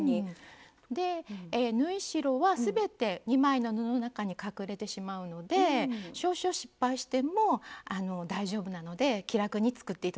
縫い代は全て２枚の布の中に隠れてしまうので少々失敗しても大丈夫なので気楽に作って頂けると思います。